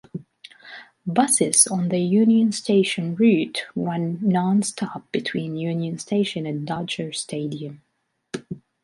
Buses on the Union Station route run non-stop between Union Station and Dodger Stadium.